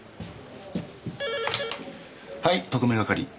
はい特命係。